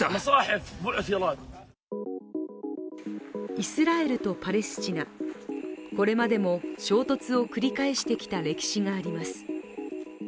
イスラエルとパレスチナ、これまでも衝突を繰り返してきた歴史があります。